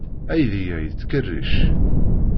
Aydi-a ur yettkerric.